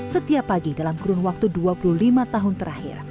setiap pagi dalam kurun waktu dua puluh lima tahun terakhir